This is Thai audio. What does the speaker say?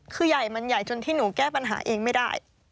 คือใหญ่จนที่หนูแก้ปัญหาเองไม่ได้